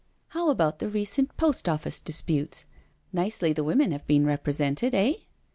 " How about the recent Post Office disputes? Nicely the women have been represented, eh?